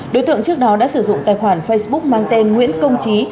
đối tượng trước đó đã sử dụng tài khoản facebook mang tên nguyễn công trí